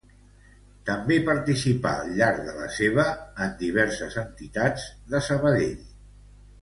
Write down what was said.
També participà al llarg de la seva en diverses entitats de Sabadell.